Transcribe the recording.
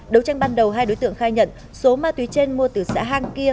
đấu tranh ban đầu hai đối tượng khai nhận số ma túy trên mua từ xã hang kia